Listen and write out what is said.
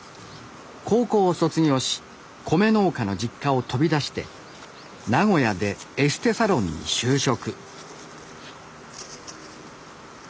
高校を卒業し米農家の実家を飛び出して名古屋でエステサロンに就職。